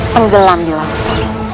penggelam di laut